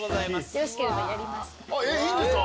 よろしければやりますか？